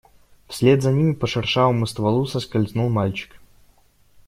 Вслед за ними по шершавому стволу соскользнул мальчик.